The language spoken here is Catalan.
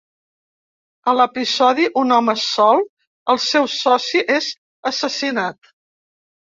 A l'episodi "Un home sol" el seu soci és assassinat.